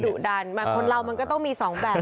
ดุดันคนเรามันก็ต้องมีสองแบบ